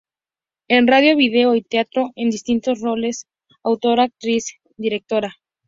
En radio, video y teatro en distintos roles: autora, actriz, directora.